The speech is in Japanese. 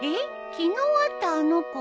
昨日会ったあの子？